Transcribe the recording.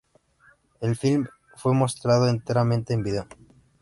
El film fue mostrado enteramente en vídeo.